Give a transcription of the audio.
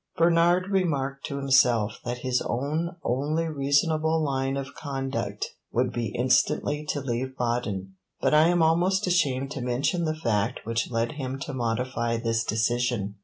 Bernard remarked to himself that his own only reasonable line of conduct would be instantly to leave Baden, but I am almost ashamed to mention the fact which led him to modify this decision.